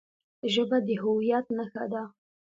ژبه د هویت نښه ده.